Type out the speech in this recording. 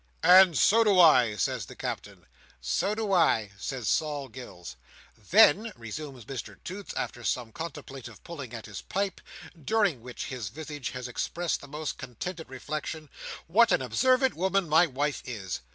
'" "And so do I!" says the Captain. "So do I," says Sol Gills. "Then," resumes Mr Toots, after some contemplative pulling at his pipe, during which his visage has expressed the most contented reflection, "what an observant woman my wife is!